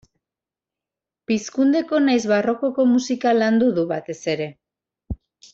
Pizkundeko nahiz barrokoko musika landu du, batez ere.